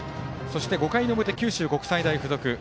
そして、５回の表九州国際大付属。